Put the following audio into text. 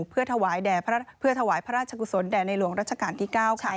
เพื่อถวายพระราชกุศลแด่ในหลวงรัชกาลที่๙